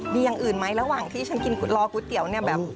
มีอย่างอื่นไหมระหว่างที่ฉันกินรอก๋วยเตี๋ยวเนี่ยแบบ